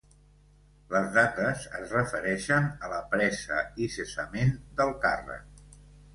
Les dates es refereixen a la presa i cessament del càrrec.